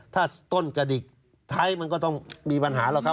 ถ้าต้นกระดิกไทยมันก็ต้องมีปัญหาหรอกครับ